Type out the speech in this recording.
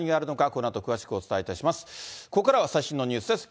ここからは最新のニュースです。